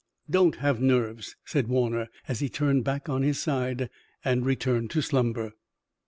"Don't have nerves," said Warner, as he turned back on his side and returned to slumber.